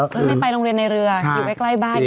ไม่ไปโรงเรียนในเรืออยู่ใกล้บ้าน